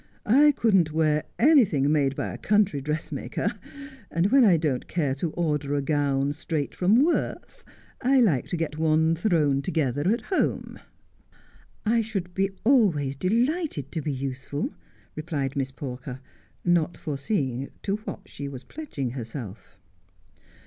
I couldn't wear anything made by a country dress maker, and when I don't care to order a gown straight from Worth I like to get one thrown together at home.' ' I should be always delighted to be useful,' replied Miss Pawker, not foreseeing to what she was pledging herself.